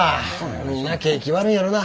みんな景気悪いんやろな。